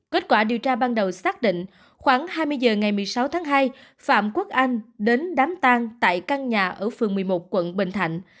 kết quả điều tra ban đầu xác định khoảng hai mươi h ngày một mươi sáu tháng hai phạm quốc anh đến đám tan tại căn nhà ở phường một mươi một quận bình thạnh